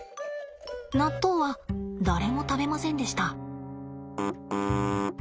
納豆は誰も食べませんでした。